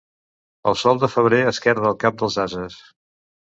El sol de febrer esquerda el cap dels ases.